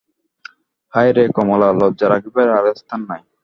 হায় রে কমলা, লজ্জা রাখিবার আর স্থান নাই।